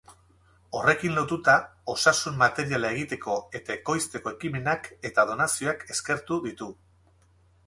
Horrekin lotuta, osasun materiala egiteko eta ekoizteko ekimenak eta donazioak eskertu ditu.